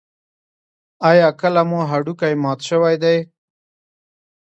ایا کله مو هډوکی مات شوی دی؟